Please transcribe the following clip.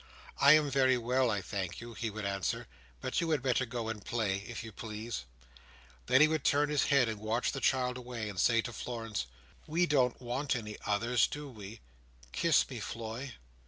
"I am very well, I thank you," he would answer. "But you had better go and play, if you please." Then he would turn his head, and watch the child away, and say to Florence, "We don't want any others, do we? Kiss me, Floy."